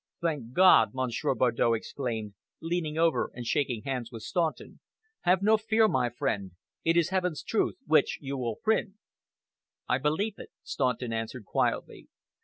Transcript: "Thank God!" Monsieur Bardow exclaimed, leaning over and shaking hands with Staunton. "Have no fear, my friend! It is Heaven's truth which you will print." "I believe it," Staunton answered quietly.